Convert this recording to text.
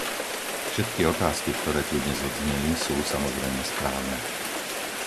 Všetky otázky, ktoré tu dnes odzneli, sú, samozrejme, správne.